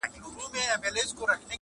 هر ګستاخ چي په ګستاخ نظر در ګوري ,